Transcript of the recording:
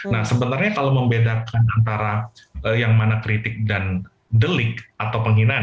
nah sebenarnya kalau membedakan antara yang mana kritik dan delik atau penghinaan